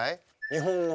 日本の。